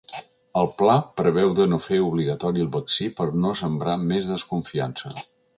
El pla preveu de no fer obligatori el vaccí per no sembrar més desconfiança.